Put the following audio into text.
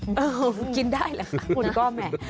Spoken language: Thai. เออยินได้เลยค่ะคุณก้อแม่